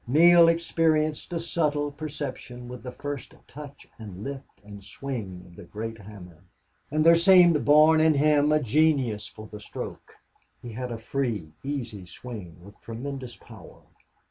Neale experienced a subtle perception with the first touch and lift and swing of the great hammer. And there seemed born in him a genius for the stroke. He had a free, easy swing, with tremendous power.